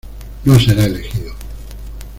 No será elegido.